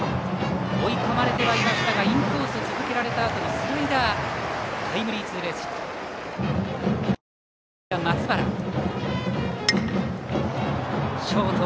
追い込まれてはいましたがインコースを続けられたあとのスライダーを打ってタイムリーツーベースヒット。